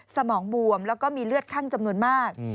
สมองบวมแล้วก็มีเลือดคั่งจำนวนมาก